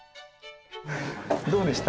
どうでした？